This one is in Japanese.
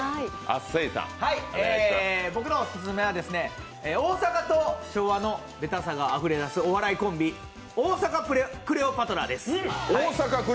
僕のオススメは大阪と昭和があふれ出すお笑いコンビ、オーサカクレオパトラです。